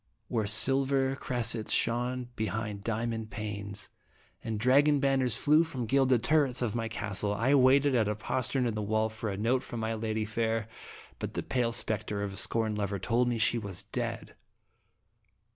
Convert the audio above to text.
Where silver cressets shone behind diamond panes, f&tye ?Bramatic in ittg UDestinji. 103 and dragon banners flew from gilded turrets of my castle, I waited at a postern in the wall for a note from my lady fair, but the pale spectre of a scorned lover told me she was dead.